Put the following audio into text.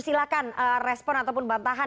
silahkan respon ataupun bantahan